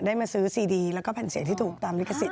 มาซื้อซีดีแล้วก็แผ่นเสียงที่ถูกตามลิขสิท